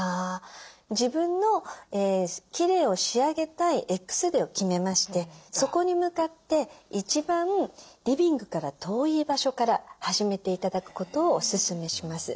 自分のきれいを仕上げたいＸデーを決めましてそこに向かって一番リビングから遠い場所から始めて頂くことをおすすめします。